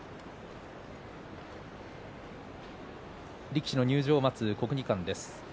力士の入場を待つ国技館です。